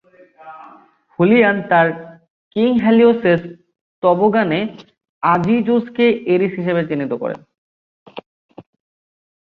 Julian তার 'king হেলিওসের স্তবগানে' আজিজোসকে এরিস হিসেবে চিহ্নিত করেন।